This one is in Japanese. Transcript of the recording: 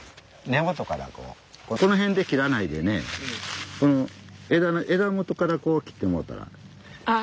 根元からこうこの辺で切らないでねこの枝の枝元から切ってもろうたら。